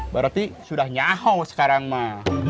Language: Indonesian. berarti sudah nyaho sekarang mah